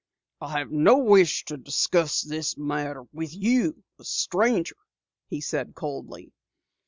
"I have no wish to discuss this matter with you a stranger," he said coldly.